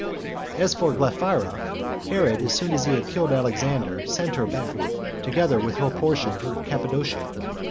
As for Glaphyra, Herod, as soon as he had killed Alexander, sent her back, together with her portion, to Cappadocia.